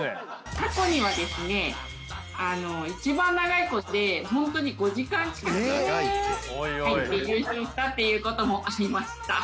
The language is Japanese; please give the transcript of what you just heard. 過去にはですねいちばん長い子ってホントに５時間近く入って優勝したっていうこともありました。